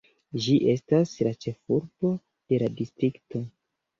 Ĝi estas la ĉefurbo de la distrikto.